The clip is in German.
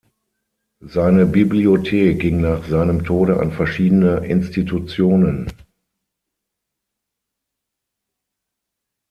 Seine Bibliothek ging nach seinem Tode an verschiedene Institutionen.